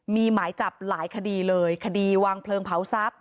มีหมายจับหลายคดีเลยคดีวางเพลิงเผาทรัพย